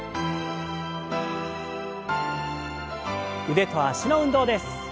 腕と脚の運動です。